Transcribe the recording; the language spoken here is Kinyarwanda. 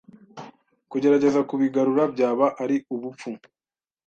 Kugerageza kubigarura byaba ari ubupfu.